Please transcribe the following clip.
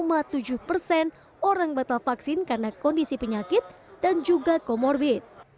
dan tujuh persen orang batal vaksin karena kondisi penyakit dan juga comorbid